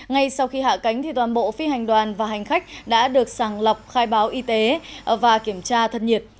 ngay sau khi hạ cánh toàn bộ phi hành đoàn và hành khách đã được sàng lọc khai báo y tế và kiểm tra thân nhiệt